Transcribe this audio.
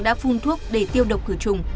đã phun thuốc để tiêu độc cửa chùng